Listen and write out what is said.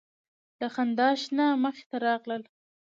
له خندا شنه مخې ته راغله